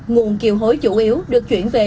nguồn kiều hối chủ yếu được chuyển về